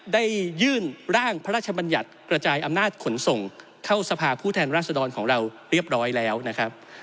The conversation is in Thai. ได้ยื่นร่างพระราชบัญญัติกระจายอำนาจขนส่งเข้าสภาผู้แทนราชดรของเราเรียบร้อยแล้วนะครับ